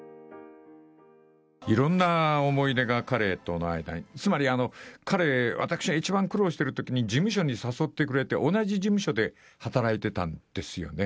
いろんな思い出が彼との間に、つまり彼、私が一番苦労してるときに、事務所に誘ってくれて、同じ事務所で働いてたんですよね。